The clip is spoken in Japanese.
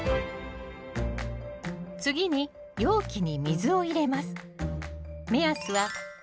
次に容器に水を入れます。